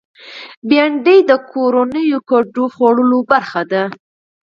بېنډۍ د کورنیو ګډو خوړو برخه ده